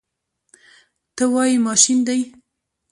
ته وایې ماشین دی.